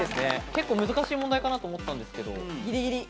結構難しい問題かなと思ったんですけど。